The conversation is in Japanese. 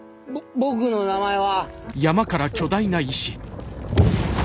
僕の名前は。